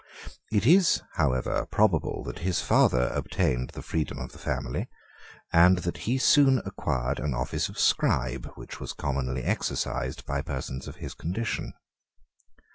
1 It is, however, probable that his father obtained the freedom of the family, and that he soon acquired an office of scribe, which was commonly exercised by persons of his condition.